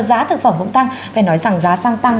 giá thực phẩm cũng tăng phải nói rằng giá xăng tăng